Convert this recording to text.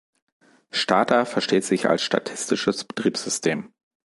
Stata versteht sich als statistisches Betriebssystem.